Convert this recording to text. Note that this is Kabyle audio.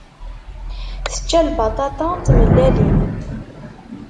Tečča lbaṭaṭa d tmellalin.